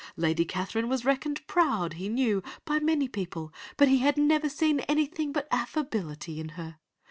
Lady Catherine was reckoned proud, he knew, by many people, but he had never seen anything but affability in her.